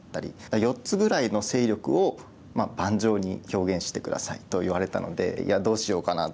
「４つぐらいの勢力を盤上に表現して下さい」と言われたのでいやどうしようかなと。